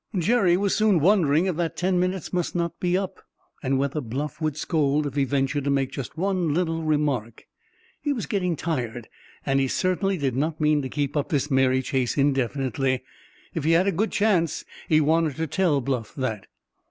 Jerry was soon wondering if that ten minutes must not be up, and whether Bluff would scold if he ventured to make just one little remark. He was getting tired, and he certainly did not mean to keep up this merry chase indefinitely. If he had a good chance, he wanted to tell Bluff that.